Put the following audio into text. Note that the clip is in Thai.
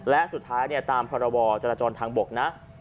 และสุดท้ายเนี่ยตามภาระบอร์จรจรทางบกนะ